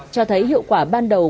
cho thấy hiệu quả ban đầu